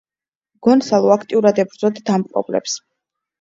გონსალო აქტიურად ებრძოდა დამპყრობლებს.